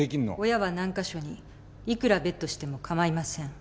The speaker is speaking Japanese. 親は何カ所に幾らベットしても構いません。